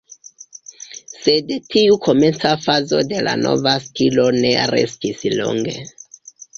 Sed tiu komenca fazo de la nova stilo ne restis longe.